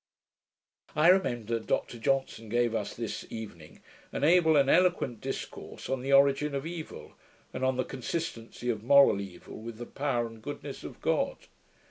I remember Dr Johnson gave us this evening an able and eloquent discourse on the origin of evil, and on the consistency of moral evil with the power and goodness of God.